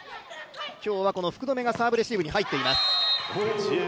今日は福留がサーブレシーブに入っています。